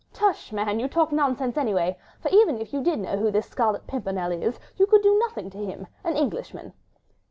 "Tush, man, you talk nonsense anyway; for even if you did know who this Scarlet Pimpernel is, you could do nothing to him—an Englishman!"